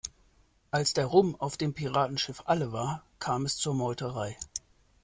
Als der Rum auf dem Piratenschiff alle war, kam es zur Meuterei.